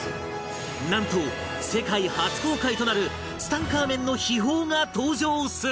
なんと世界初公開となるツタンカーメンの秘宝が登場する！